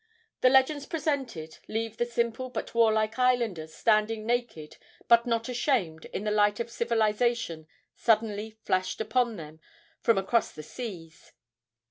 The legends presented leave the simple but warlike islanders standing naked but not ashamed in the light of civilization suddenly flashed upon them from across the seas.